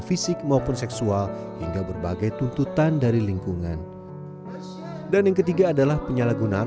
fisik maupun seksual hingga berbagai tuntutan dari lingkungan dan yang ketiga adalah penyalahgunaan